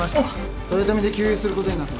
豊富で給油することになってます。